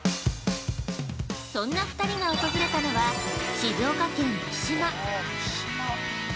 そんな２人が訪れたのは静岡県・三島。